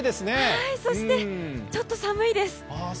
そして、ちょっと寒いです。